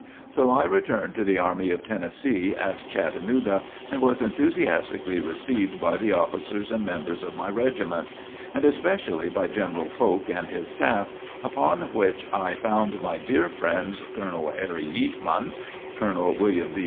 So I returned to the Army of Tennessee at Chattanooga, and was enthusiastically received by the officers and members of my regiment; and especially by General Polk and his staff, upon which I found my dear friends Colonel Harry Yeatman, Colonel William B.